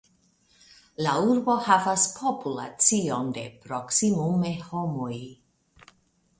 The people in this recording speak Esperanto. La urbo havas populacion de proksimume homoj.